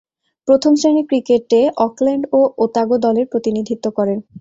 প্রথম-শ্রেণীর ক্রিকেটে অকল্যান্ড ও ওতাগো দলের প্রতিনিধিত্ব করেন।